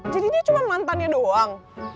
jadi dia cuma mantannya doang